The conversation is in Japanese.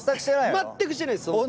全くしてないです。